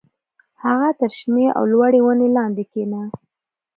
هغه تر شنې او لوړې ونې لاندې کېنه